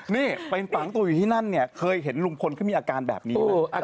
นี่ไปฝังตัวอยู่ที่นั่นเนี่ยเคยเห็นลุงพลเขามีอาการแบบนี้ไหม